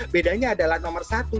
bedanya adalah nomor satu